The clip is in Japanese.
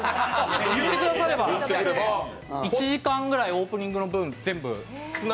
言ってくだされば１時間ぐらいオープニングの分、全部。